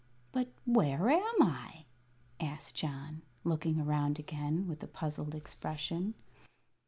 "But where am I?" asked John, looking around again with a puzzled expression.